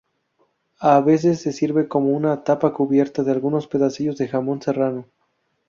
A veces se sirve como una tapa cubierto de algunos pedacitos de jamón serrano.